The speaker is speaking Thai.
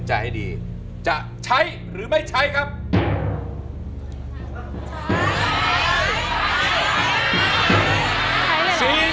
สื่อดึกเจอก็สำหรับดินที